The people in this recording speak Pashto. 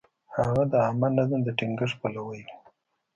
هغه د عامه نظم د ټینګښت پلوی و.